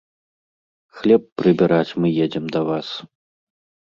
Хлеб прыбіраць мы едзем да вас.